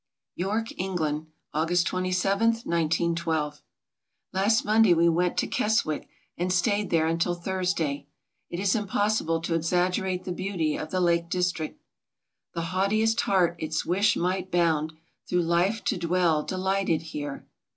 York, England August 27, 1912 Last Monday we went to Keswick and stayed there until Thursday. It is impossible to exaggerate the beauty of the Lake Distria: "The haughtiest hean its wish might bound Through life to dwell delighted here."